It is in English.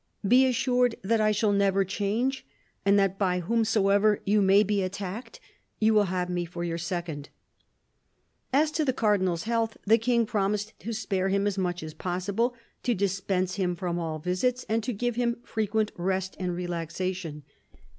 ... Be assured that I shall never change, and that, by whomsoever you may be attacked, you will have me for your second." As to the Cardinal's health, the King promised to spare him as much as possible, to dispense him from all visits, and to give him frequent rest and relaxation.